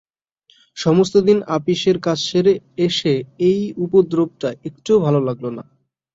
সমস্ত দিন আপিসের কাজ সেরে এসে এই উপদ্রবটা একটুও ভালো লাগল না।